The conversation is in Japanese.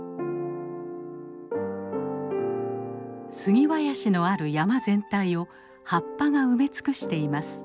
杉林のある山全体を葉っぱが埋め尽くしています。